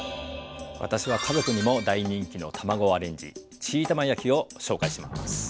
私は家族にも大人気の卵アレンジチーたま焼きを紹介します。